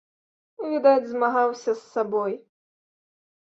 Відаць, змагаўся з сабой.